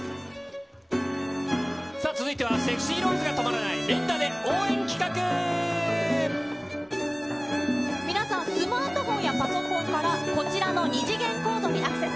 続いてはＳｅｘｙＲｏｓｅ皆さん、スマートフォンやパソコンから、こちらの二次元コードにアクセス。